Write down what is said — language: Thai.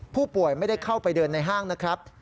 ผู้ป่วยไม่ได้เข้าไปเดินในห้างนะครับ